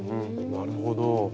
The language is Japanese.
なるほど。